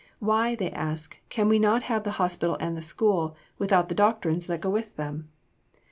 Why, they ask, can we not have the hospital and the school without the doctrines that go with them?